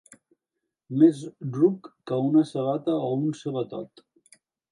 Més ruc que una sabata o un sabatot.